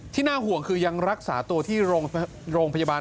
น่าห่วงคือยังรักษาตัวที่โรงพยาบาล